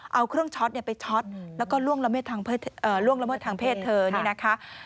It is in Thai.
เอาเครื่องช็อตไปช็อตแล้วก็ล่วงละเมิดทางเพศเธอนี่นะคะ